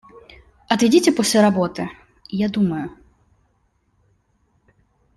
Отведите после работы, я думаю.